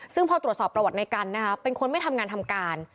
ซึ่งพอตรวจสอบประวัติในกันนะคะเป็นคนไม่ทำงานทำการ